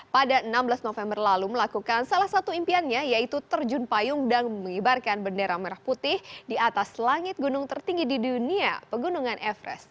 pada enam belas november lalu melakukan salah satu impiannya yaitu terjun payung dan mengibarkan bendera merah putih di atas langit gunung tertinggi di dunia pegunungan everest